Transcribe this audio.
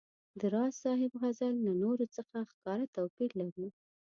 د راز صاحب غزل له نورو څخه ښکاره توپیر لري.